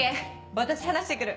私話してくる。